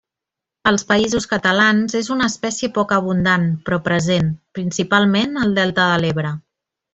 Als Països Catalans és una espècie poc abundant però present, principalment al delta de l'Ebre.